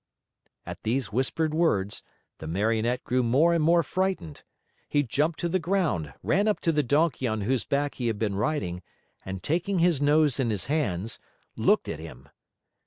At these whispered words, the Marionette grew more and more frightened. He jumped to the ground, ran up to the donkey on whose back he had been riding, and taking his nose in his hands, looked at him.